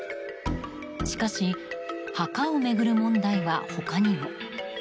しかし、墓を巡る問題は他にも。